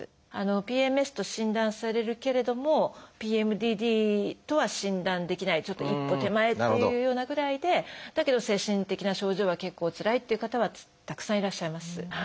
「ＰＭＳ」と診断されるけれども「ＰＭＤＤ」とは診断できないちょっと一歩手前っていうようなぐらいでだけど精神的な症状は結構つらいっていう方はたくさんいらっしゃいます。